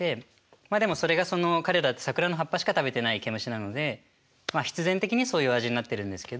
まあでもそれが彼ら桜の葉っぱしか食べてないケムシなのでまあ必然的にそういう味になってるんですけど。